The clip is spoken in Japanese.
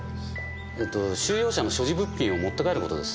えっと収容者の所持物品を持って帰ることです。